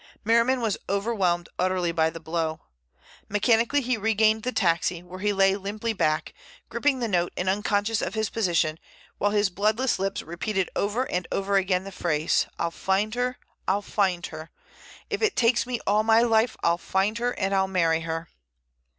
Merriman was overwhelmed utterly by the blow. Mechanically he regained the taxi, where he lay limply back, gripping the note and unconscious of his position, while his bloodless lips repeated over and over again the phrase, "I'll find her. I'll find her. If it takes me all my life I'll find her and I'll marry her."